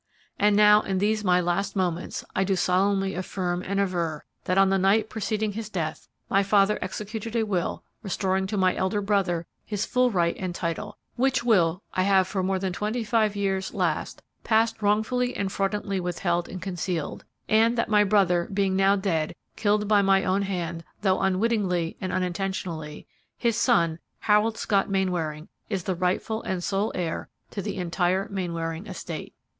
"And now, in these my last moments, I do solemnly affirm and aver that on the night preceding his death, my father executed a will restoring to my elder brother his full right and title, which will I have for more than twenty five years last past wrongfully and fraudulently withheld and concealed; and that my brother being now dead, killed by my own hand, though unwittingly and unintentionally, his son, Harold Scott Mainwaring, is the rightful and sole heir to the entire Mainwaring estate.